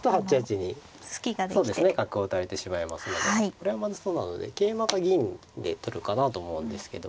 これはまずそうなので桂馬か銀で取るかなと思うんですけど。